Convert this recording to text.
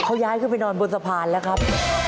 เขาย้ายขึ้นไปนอนบนสะพานแล้วครับ